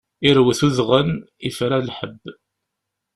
Irwet udɣen, ifra lḥebb!